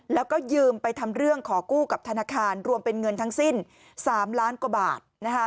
แล้วก็ยืมไปทำเรื่องขอกู้กับธนาคารรวมเป็นเงินทั้งสิ้น๓ล้านกว่าบาท